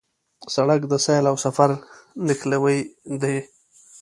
سړک د سیل او سفر نښلوی دی.